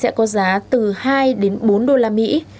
sẽ có giá từ hai đến bốn đô la mỹ